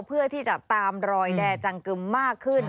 เพื่อที่จะตามรอยแด่จังกึมมากขึ้น